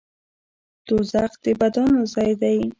دوزخ د بدانو ځای دی